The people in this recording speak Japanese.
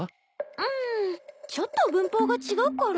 うんちょっと文法が違うから。